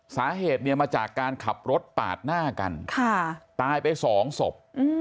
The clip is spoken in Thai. สาเหตุเนี่ยมาจากการขับรถปาดหน้ากันตายไปสองศพ